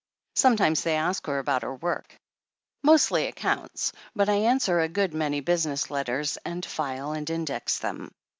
Sometimes they asked her about her work. "Mostly accounts, but I answer a good many business letters, and file and index them."